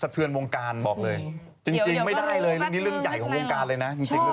เรื่องนี้เรื่องใยของวงการเลยนะ